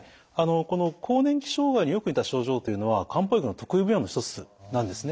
この更年期障害によく似た症状というのは漢方薬の得意分野の一つなんですね。